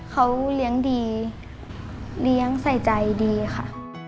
เขาเลี้ยงดีเลี้ยงใส่ใจดีค่ะ